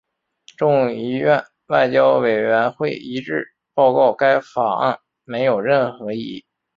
众议院外交委员会一致报告该法案没有任何意义。